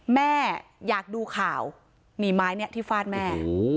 แม่อยากดูข่าวหนีไม้นี้ที่ฟาดแม่